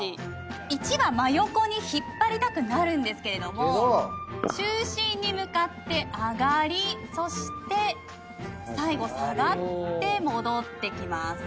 「一」は真横に引っ張りたくなるんですけども中心に向かって上がりそして最後下がって戻ってきます。